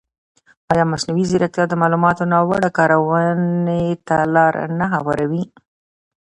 ایا مصنوعي ځیرکتیا د معلوماتو ناوړه کارونې ته لاره نه هواروي؟